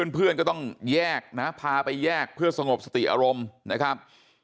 เพื่อนก็ต้องแยกนะพาไปแยกเพื่อสงบสติอารมณ์นะครับ